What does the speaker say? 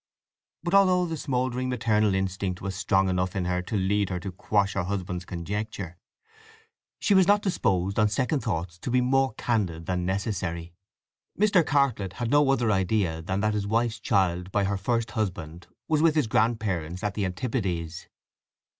But although the smouldering maternal instinct was strong enough in her to lead her to quash her husband's conjecture, she was not disposed on second thoughts to be more candid than necessary. Mr. Cartlett had no other idea than that his wife's child by her first husband was with his grandparents at the Antipodes.